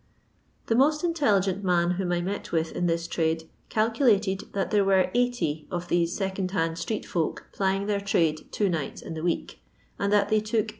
The most intelligent man whom I met with in thia trade calcukted that there were 80 of these second hand street folk plying their trade two nights in the week; and that they took 8«.